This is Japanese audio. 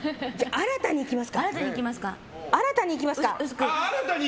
新たにいきます！